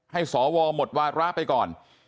ให้สวหมดวาระไปก่อน